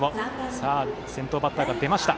さあ、先頭バッターが出ました。